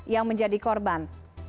yang menjadi korban